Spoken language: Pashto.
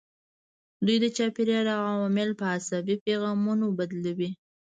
دوی د چاپیریال عوامل په عصبي پیغامونو بدلوي.